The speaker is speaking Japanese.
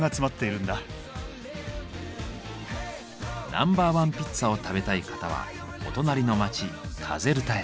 ナンバーワンピッツァを食べたい方はお隣の町カゼルタへ。